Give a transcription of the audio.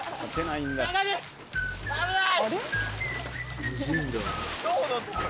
危ない！